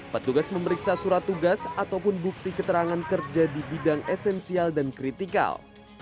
petugas memeriksa surat tugas ataupun bukti keterangan kerja di bidang esensial dan kritikal